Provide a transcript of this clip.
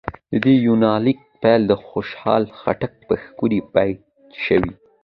د دې يونليک پيل د خوشحال خټک په ښکلي بېت شوې